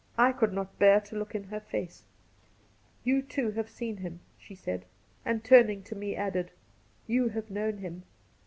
I could not bear to look in her face. Cassidy 169 ' You two have seen him,' she said, and, turning to me, added, ' You have known him.